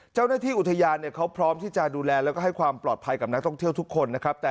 เจ้าหน้าที่อุทยานเขาพร้อมที่จะดูแลแล้วก็ให้ความปลอดภัยกับนักท่องเที่ยวทุกคนนะครับ